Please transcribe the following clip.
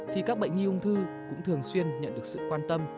thì các bệnh nhi ung thư cũng thường xuyên nhận được sự quan tâm